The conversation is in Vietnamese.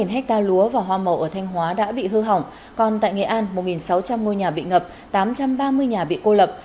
một mươi hectare lúa và hoa màu ở thanh hóa đã bị hư hỏng còn tại nghệ an một sáu trăm linh ngôi nhà bị ngập tám trăm ba mươi nhà bị cô lập